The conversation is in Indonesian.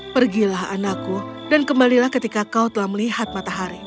pergilah anakku dan kembalilah ketika kau telah melihat matahari